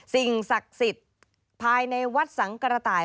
สิ่งศักดิ์สิทธิ์ภายในวัดสังกระต่าย